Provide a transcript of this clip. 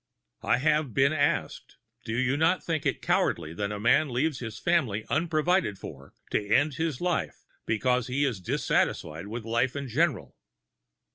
I have been asked: "Do you not think it cowardly when a man leaves his family unprovided for, to end his life, because he is dissatisfied with life in general?"